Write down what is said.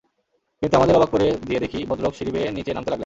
কিন্তু আমাদের অবাক করে দিয়ে দেখি ভদ্রলোক সিঁড়ি বেয়ে নিচে নামতে লাগলেন।